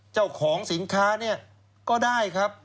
เจ้าของสินค้าเนี่ยก็ได้ครับ